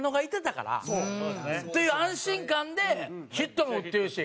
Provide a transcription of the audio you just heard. っていう安心感でヒットも打ってるし。